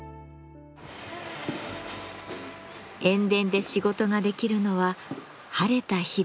塩田で仕事ができるのは晴れた日だけ。